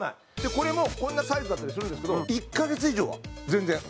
これもこんなサイズだったりするんですけど１カ月以上は全然使えます。